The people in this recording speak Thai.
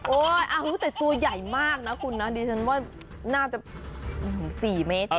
แต่ตัวใหญ่มากนะคุณนะดิฉันว่าน่าจะ๔เมตร